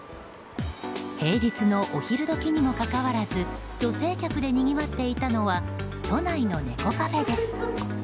平日のお昼時にもかかわらず女性客でにぎわっていたのは都内の猫カフェです。